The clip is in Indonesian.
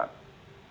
ini bisa berpengenan